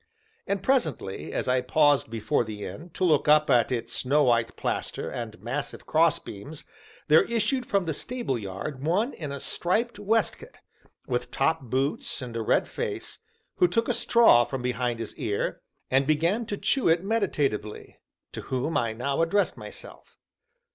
And presently, as I paused before the inn, to look up at its snow white plaster, and massive cross beams, there issued from the stable yard one in a striped waistcoat, with top boots and a red face, who took a straw from behind his ear, and began to chew it meditatively; to whom I now addressed myself.